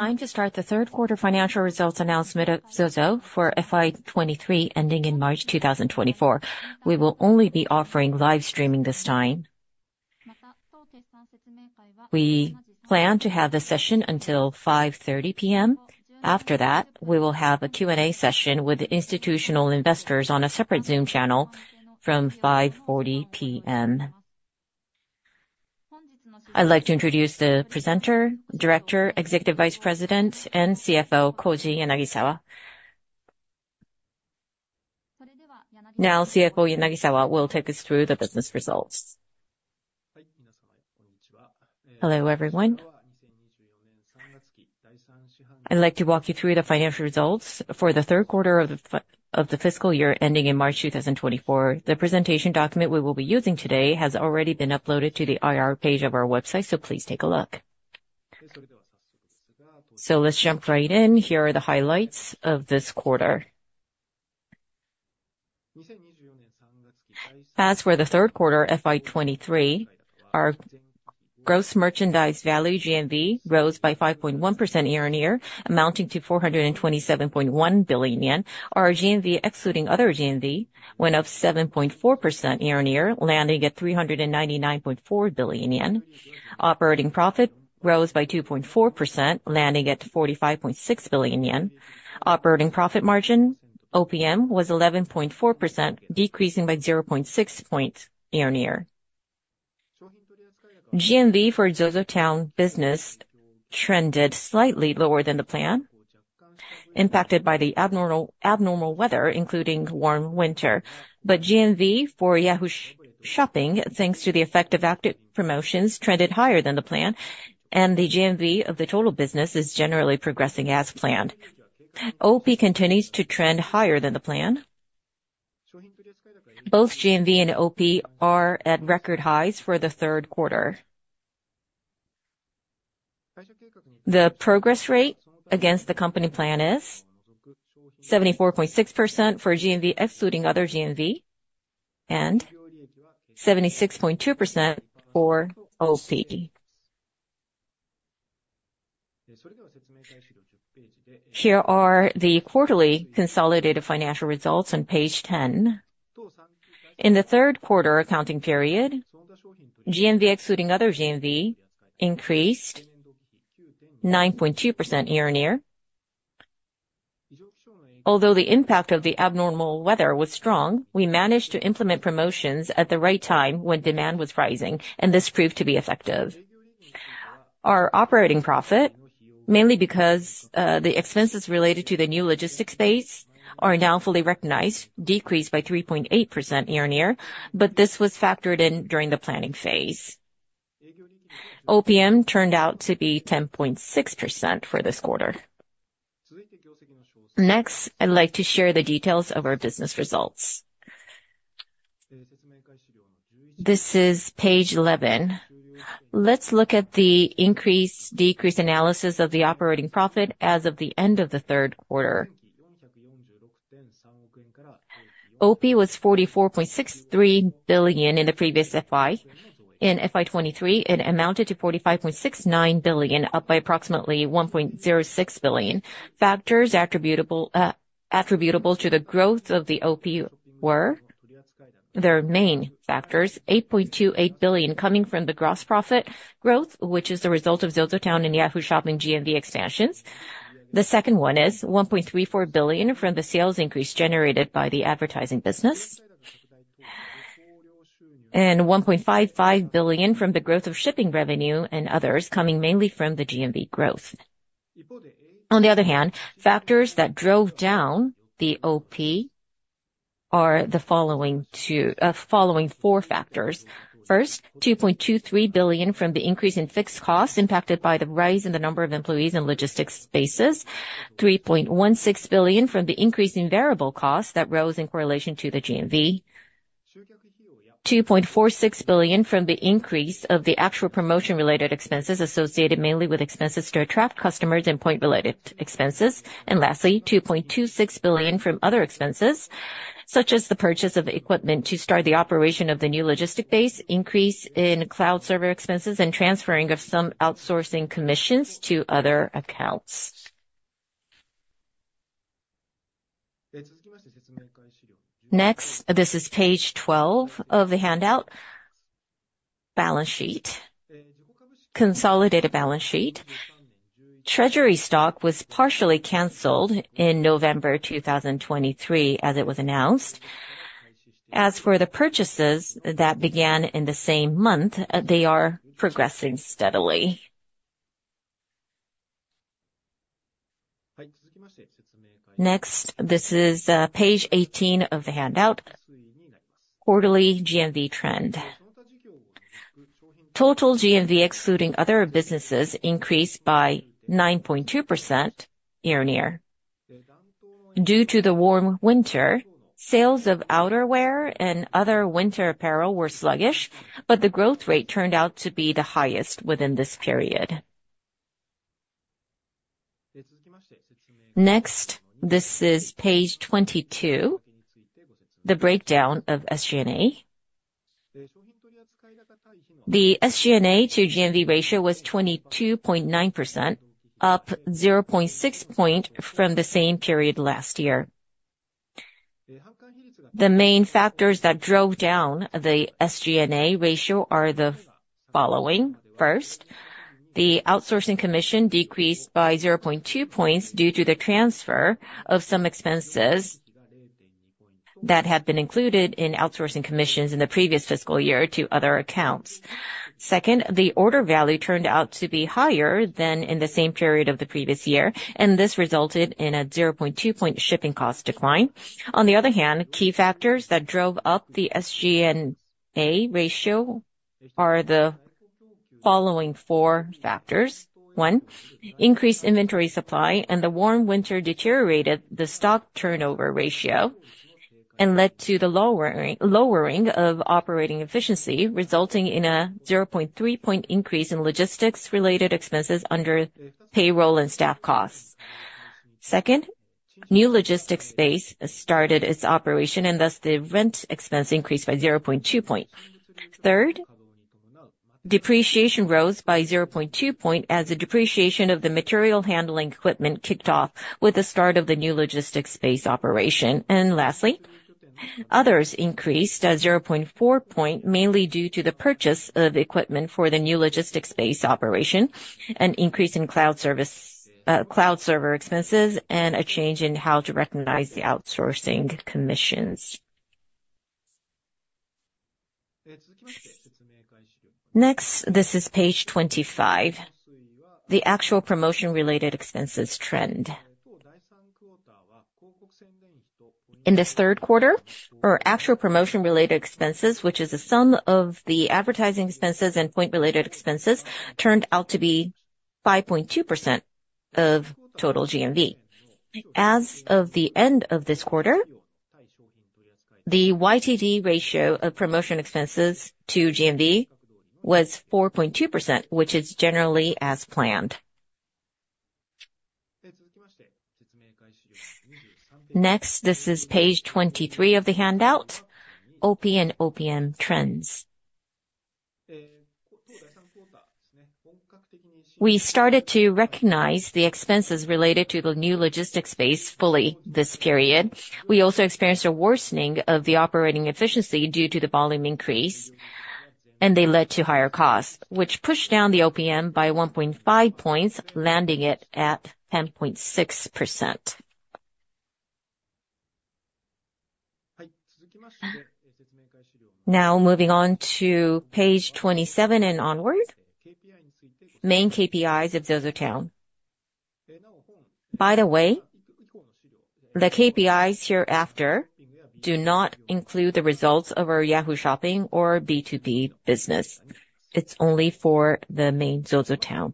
Time to start the third quarter financial results announcement of ZOZO for FY 2023, ending in March 2024. We will only be offering live streaming this time. We plan to have the session until 5:30 P.M. After that, we will have a Q&A session with institutional investors on a separate Zoom channel from 5:40 P.M. I'd like to introduce the presenter, Director, Executive Vice President, and CFO, Koji Yanagisawa. Now, CFO Yanagisawa will take us through the business results. Hello, everyone. I'd like to walk you through the financial results for the third quarter of the fiscal year, ending in March 2024. The presentation document we will be using today has already been uploaded to the IR page of our website, so please take a look. Let's jump right in. Here are the highlights of this quarter. As for the third quarter, FY 2023, our gross merchandise value, GMV, rose by 5.1% year-on-year, amounting to 427.1 billion yen. Our GMV, excluding other GMV, went up 7.4% year-on-year, landing at 399.4 billion yen. Operating profit rose by 2.4%, landing at 45.6 billion yen. Operating profit margin, OPM, was 11.4%, decreasing by 0.6 points year-on-year. GMV for ZOZOTOWN business trended slightly lower than the plan, impacted by the abnormal weather, including warm winter. But GMV for Yahoo Shopping, thanks to the effect of active promotions, trended higher than the plan, and the GMV of the total business is generally progressing as planned. OP continues to trend higher than the plan. Both GMV and OP are at record highs for the third quarter. The progress rate against the company plan is 74.6% for GMV, excluding other GMV, and 76.2% for OP. Here are the quarterly consolidated financial results on page 10. In the third quarter accounting period, GMV, excluding other GMV, increased 9.2% year-on-year. Although the impact of the abnormal weather was strong, we managed to implement promotions at the right time when demand was rising, and this proved to be effective. Our operating profit, mainly because, the expenses related to the new logistics base are now fully recognized, decreased by 3.8% year-on-year, but this was factored in during the planning phase. OPM turned out to be 10.6% for this quarter. Next, I'd like to share the details of our business results. This is page 11. Let's look at the increase-decrease analysis of the operating profit as of the end of the third quarter. OP was 44.63 billion in the previous FY. In FY 2023, it amounted to 45.69 billion, up by approximately 1.06 billion. Factors attributable to the growth of the OP were the main factors, 8.28 billion coming from the gross profit growth, which is the result of ZOZOTOWN and Yahoo Shopping GMV expansions. The second one is 1.34 billion from the sales increase generated by the advertising business. And 1.5 billion from the growth of shipping revenue and others, coming mainly from the GMV growth. On the other hand, factors that drove down the OP are the following four factors. First, 2.23 billion from the increase in fixed costs impacted by the rise in the number of employees in logistics spaces. 3.16 billion from the increase in variable costs that rose in correlation to the GMV. 2.46 billion from the increase of the actual promotion-related expenses associated mainly with expenses to attract customers and point-related expenses. And lastly, 2.26 billion from other expenses, such as the purchase of equipment to start the operation of the new logistics base, increase in cloud server expenses, and transferring of some outsourcing commissions to other accounts. Next, this is page 12 of the handout. Balance sheet. Consolidated balance sheet. Treasury stock was partially canceled in November 2023, as it was announced. As for the purchases that began in the same month, they are progressing steadily. Next, this is page 18 of the handout. Quarterly GMV trend. Total GMV, excluding other businesses, increased by 9.2% year-on-year. Due to the warm winter, sales of outerwear and other winter apparel were sluggish, but the growth rate turned out to be the highest within this period. Next, this is page 22, the breakdown of SG&A. The SG&A to GMV ratio was 22.9%, up 0.6 point from the same period last year. The main factors that drove down the SG&A ratio are the following. First, the outsourcing commission decreased by 0.2 points due to the transfer of some expenses that had been included in outsourcing commissions in the previous fiscal year to other accounts. Second, the order value turned out to be higher than in the same period of the previous year, and this resulted in a 0.2-point shipping cost decline. On the other hand, key factors that drove up the SG&A ratio are the following four factors. One, increased inventory supply and the warm winter deteriorated the stock turnover ratio and led to the lowering of operating efficiency, resulting in a 0.3-point increase in logistics-related expenses under payroll and staff costs. Second, new logistics space started its operation, and thus the rent expense increased by 0.2 point. Third, depreciation rose by 0.2 point, as the depreciation of the material handling equipment kicked off with the start of the new logistics space operation. Lastly, others increased at 0.4 point, mainly due to the purchase of equipment for the new logistics space operation, an increase in cloud service, cloud server expenses, and a change in how to recognize the outsourcing commissions. Next, this is page 25, the actual promotion-related expenses trend. In this third quarter, our actual promotion-related expenses, which is the sum of the advertising expenses and point-related expenses, turned out to be 5.2% of total GMV. As of the end of this quarter, the YTD ratio of promotion expenses to GMV was 4.2%, which is generally as planned. Next, this is page 23 of the handout, OP and OPM trends. We started to recognize the expenses related to the new logistics space fully this period. We also experienced a worsening of the operating efficiency due to the volume increase, and they led to higher costs, which pushed down the OPM by 1.5 points, landing it at 10.6%. Now, moving on to page 27 and onward, main KPIs of ZOZOTOWN. By the way, the KPIs hereafter do not include the results of our Yahoo Shopping or B2B business. It's only for the main ZOZOTOWN.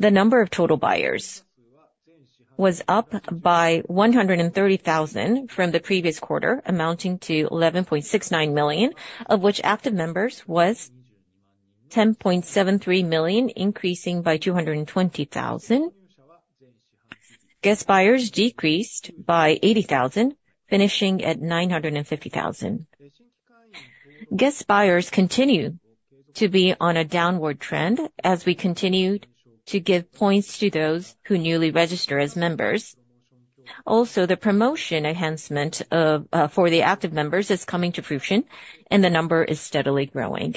The number of total buyers was up by 130,000 from the previous quarter, amounting to 11.69 million, of which active members was 10.73 million, increasing by 220,000. Guest buyers decreased by 80,000, finishing at 950,000. Guest buyers continue to be on a downward trend as we continued to give points to those who newly register as members. Also, the promotion enhancement of for the active members is coming to fruition, and the number is steadily growing.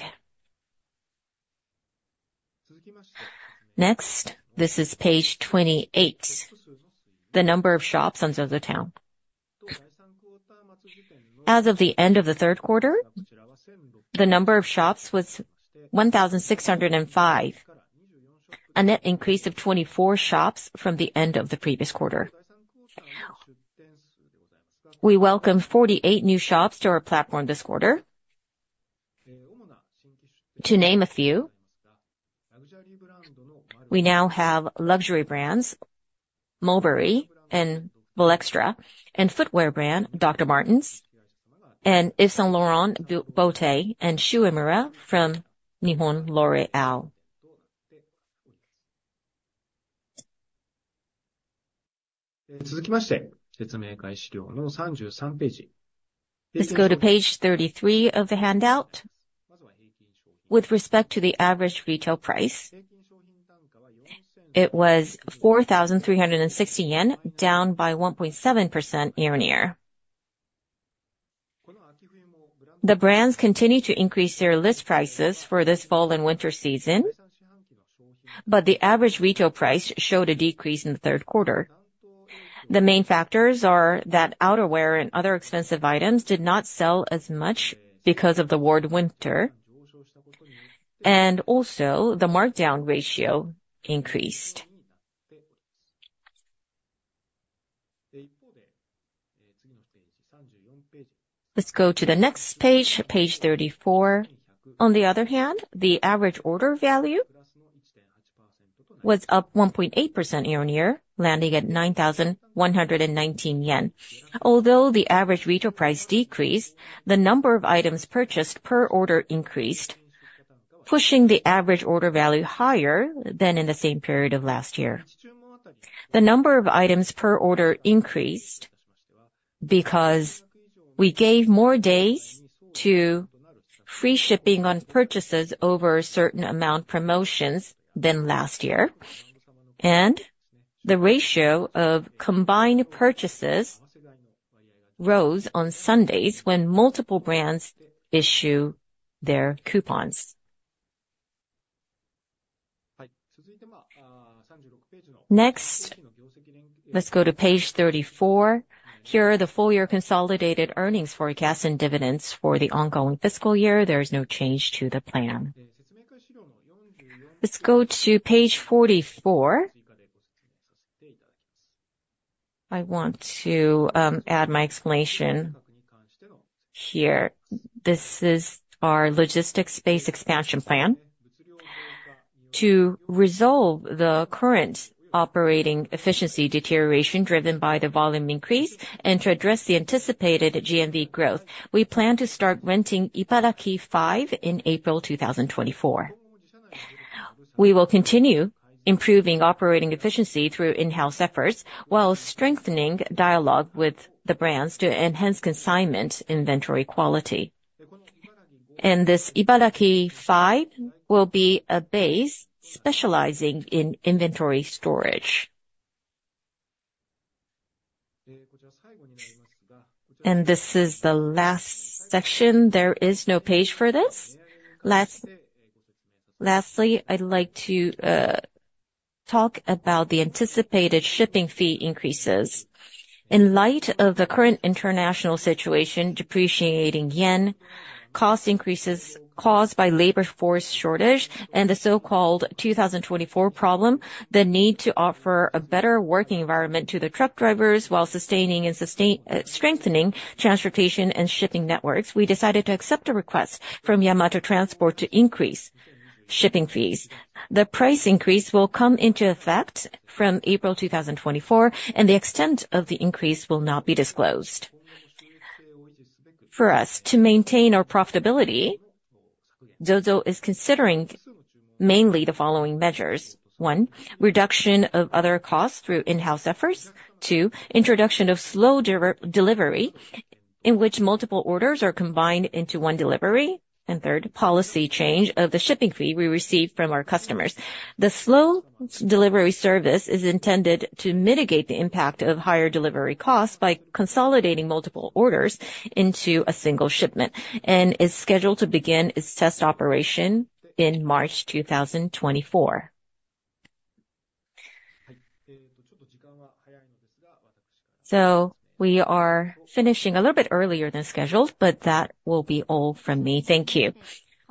Next, this is page 28, the number of shops on ZOZOTOWN. As of the end of the third quarter, the number of shops was 1,605, a net increase of 24 shops from the end of the previous quarter. We welcomed 48 new shops to our platform this quarter. To name a few, we now have luxury brands, Mulberry and Valextra, and footwear brand, Dr. Martens, and Yves Saint Laurent Beauté, and Shu Uemura from Nihon L'Oréal. Let's go to page 33 of the handout. With respect to the average retail price, it was 4,360 yen, down by 1.7% year-on-year. The brands continued to increase their list prices for this fall and winter season, but the average retail price showed a decrease in the third quarter. The main factors are that outerwear and other expensive items did not sell as much because of the mild winter, and also the markdown ratio increased. Let's go to the next page, page 34. On the other hand, the average order value was up 1.8% year-on-year, landing at 9,119 yen. Although the average retail price decreased, the number of items purchased per order increased, pushing the average order value higher than in the same period of last year. The number of items per order increased? Because we gave more days to free shipping on purchases over a certain amount promotions than last year, and the ratio of combined purchases rose on Sundays when multiple brands issue their coupons. Next, let's go to page 34. Here are the full year consolidated earnings forecast and dividends for the ongoing fiscal year. There is no change to the plan. Let's go to page 44. I want to add my explanation here. This is our logistics space expansion plan. To resolve the current operating efficiency deterioration driven by the volume increase, and to address the anticipated GMV growth, we plan to start renting Ibaraki 5 in April 2024. We will continue improving operating efficiency through in-house efforts, while strengthening dialogue with the brands to enhance consignment inventory quality. This Ibaraki 5 will be a base specializing in inventory storage. This is the last section. There is no page for this. Last, lastly, I'd like to talk about the anticipated shipping fee increases. In light of the current international situation, depreciating yen, cost increases caused by labor force shortage and the so-called 2024 Problem, the need to offer a better working environment to the truck drivers while sustaining and strengthening transportation and shipping networks, we decided to accept a request from Yamato Transport to increase shipping fees. The price increase will come into effect from April 2024, and the extent of the increase will not be disclosed. For us to maintain our profitability, ZOZO is considering mainly the following measures: One, reduction of other costs through in-house efforts. Two, introduction of Slow Delivery, in which multiple orders are combined into one delivery. And third, policy change of the shipping fee we receive from our customers. The Slow Delivery service is intended to mitigate the impact of higher delivery costs by consolidating multiple orders into a single shipment, and is scheduled to begin its test operation in March 2024. So we are finishing a little bit earlier than scheduled, but that will be all from me. Thank you.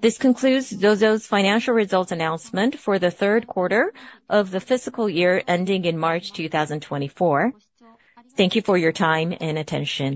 This concludes ZOZO's financial results announcement for the third quarter of the fiscal year ending in March 2024. Thank you for your time and attention.